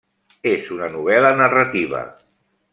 És una novel·la narrativa.